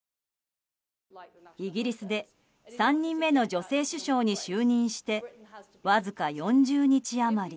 イギリスで３人目の女性首相に就任して、わずか４０日余り。